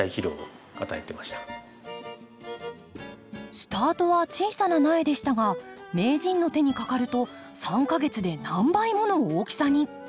スタートは小さな苗でしたが名人の手にかかると３か月で何倍もの大きさに。